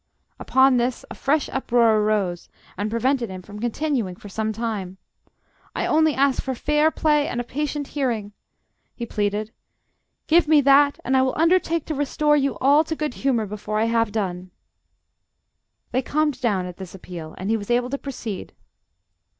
Upon this a fresh uproar arose, and prevented him from continuing for some time. "I only ask for fair play and a patient hearing!" he pleaded. "Give me that, and I will undertake to restore you all to good humour before I have done." They calmed down at this appeal, and he was able to proceed.